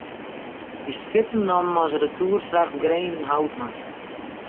Dy skippen namen as retoerfracht grenenhout mei.